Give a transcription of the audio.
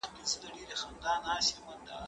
زه به اوږده موده نان خوړلی وم،